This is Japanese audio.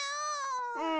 うん。